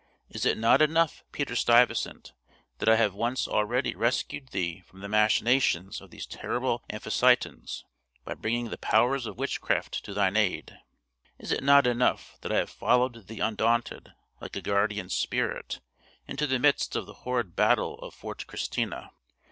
Is it not enough, Peter Stuyvesant, that I have once already rescued thee from the machinations of these terrible Amphictyons, by bringing the powers of witchcraft to thine aid? Is it not enough that I have followed thee undaunted, like a guardian spirit, into the midst of the horrid battle of Fort Christina?